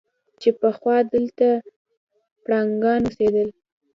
چې پخوا دلته پړانګان اوسېدل.